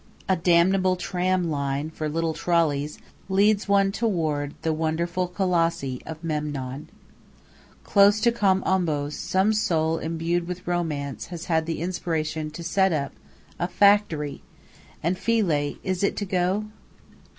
A damnable tram line for little trolleys leads one toward the wonderful colossi of Memnon. Close to Kom Ombos some soul imbued with romance has had the inspiration to set up a factory! And Philae is it to go?